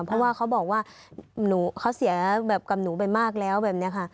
เพราะว่าเขาบอกว่าเขาเสียแบบกับหนูไปมากแล้วแบบนี้ค่ะ